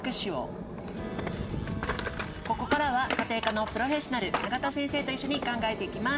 ここからは家庭科のプロフェッショナル永田先生と一緒に考えていきます。